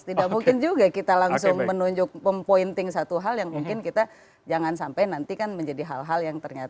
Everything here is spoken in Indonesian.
tidak mungkin juga kita langsung menunjuk mempointing satu hal yang mungkin kita jangan sampai nanti kan menjadi hal hal yang ternyata